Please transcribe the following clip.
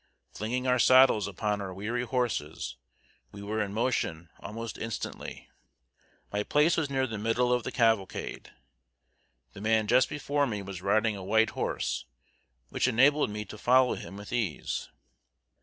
Flinging our saddles upon our weary horses, we were in motion almost instantly. My place was near the middle of the cavalcade. The man just before me was riding a white horse, which enabled me to follow him with ease.